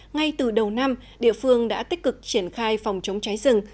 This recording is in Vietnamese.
ngay từ đầu năm địa phương đã tích cực triển khai phòng chống cháy rừng